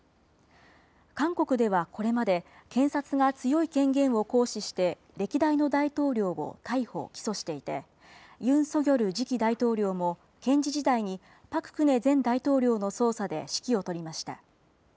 韓国ではこれまで、検察が強い権限を行使して、歴代の大統領を逮捕・起訴していて、ユン・ソギョル次期大統領も、検事時代にパク・クネ前大統領の捜査で指揮を執りました。